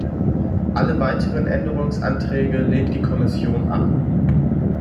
Alle weiteren Änderungsanträge lehnt die Kommission ab.